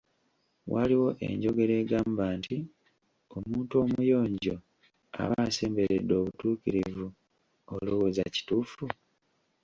Waliwo enjogera egamba nti, omuntu omuyonjo aba asemberedde obutuukirivu , olowooza kituufu?